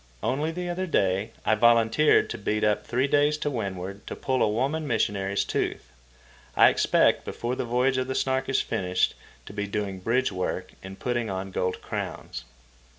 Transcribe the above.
Only the other day I volunteered to beat up three days to windward to pull a woman missionary's tooth. I expect, before the voyage of the Snark is finished, to be doing bridge work and putting on gold crowns.